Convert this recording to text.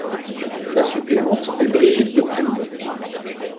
Sa suppléante est Brigitte de Prémont.